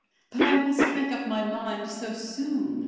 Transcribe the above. "But I must make up my mind so soon!"